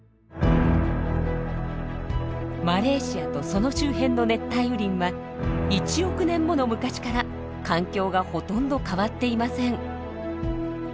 マレーシアとその周辺の熱帯雨林は１億年もの昔から環境がほとんど変わっていません。